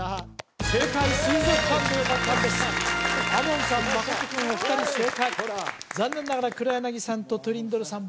門さん真君お二人正解残念ながら黒柳さんとトリンドルさん